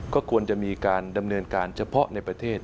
ก็ควรจะมีการดำเนินการเฉพาะในประเทศ